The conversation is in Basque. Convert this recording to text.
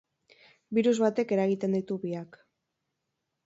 Birus batek eragiten ditu biak.